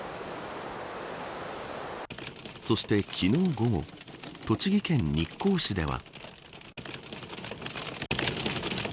そして、昨日午後栃木県日光市では。